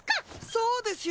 そうですよ。